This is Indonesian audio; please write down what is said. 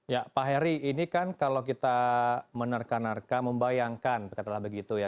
ya pak heri ini kan kalau kita menerka nerka membayangkan katalah begitu ya